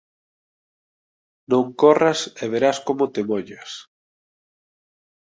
Non corras e verás como te mollas.